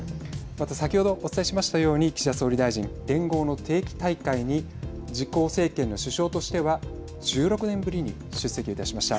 先ほどお伝えしましたように岸田総理大臣連合の定期大会に自公政権の首相としては１６年ぶりに出席いたしました。